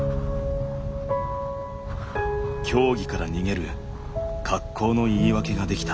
競技から逃げる格好の言い訳ができた。